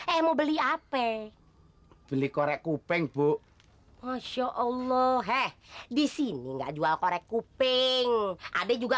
eh mau beli apa beli korek kuping bu masya allah he di sini enggak jual korek kuping ada juga